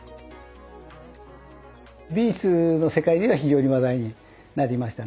美術の世界では非常に話題になりましたね。